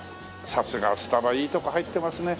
さすがスタバいいとこ入ってますね。